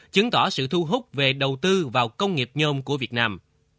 chứng tỏ sự thu hút về đầu tư vào công nghiệp nhôm của việt nam